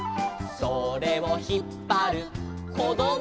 「それをひっぱるこども」